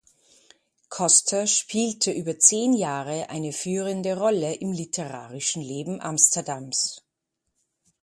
Coster spielte über zehn Jahre eine führende Rolle im literarischen Leben Amsterdams.